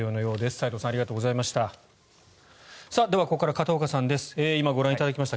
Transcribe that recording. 齋藤さんありがとうございました。